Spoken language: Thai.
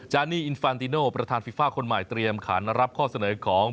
นี่อินฟานติโนประธานฟีฟ่าคนใหม่เตรียมขันรับข้อเสนอของ